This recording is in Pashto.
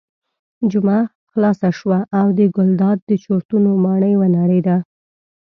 جمعه خلاصه شوه او د ګلداد د چورتونو ماڼۍ ونړېده.